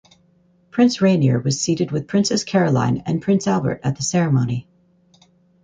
Prince Rainier was seated with Princess Caroline and Prince Albert at the ceremony.